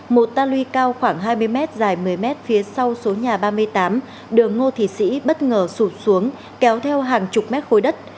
một ta lui cao khoảng hai mươi m dài một mươi m phía sau số nhà ba mươi tám đường ngô thị sĩ bất ngờ sụt xuống kéo theo hàng chục mét khối đất